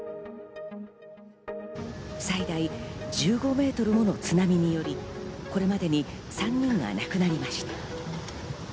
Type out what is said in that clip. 最大１５メートルもの津波により、これまでに３人が亡くなりました。